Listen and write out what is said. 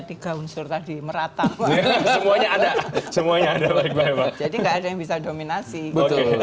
tiga unsur tadi merata semuanya ada semuanya jadi nggak ada yang bisa dominasi betul betul itu modalnya